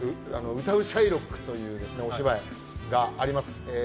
「歌うシャイロック」というお芝居があります。